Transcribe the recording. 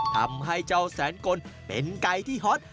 ทำให้เจ้าแสนกลเป็นไก่ที่ฮอต